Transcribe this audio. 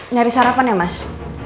nyari sarapan ya mas